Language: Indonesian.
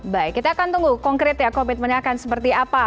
baik kita akan tunggu konkret ya komitmennya akan seperti apa